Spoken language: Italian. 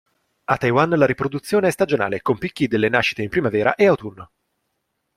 A Taiwan la riproduzione è stagionale, con picchi delle nascite in primavera e autunno.